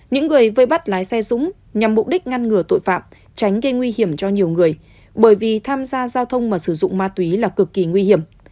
những người vây bắt lái xe dũng nhằm mục đích ngăn ngừa tội phạm tránh gây nguy hiểm cho nhiều người bởi vì tham gia giao thông mà sử dụng ma túy là cực kỳ nguy hiểm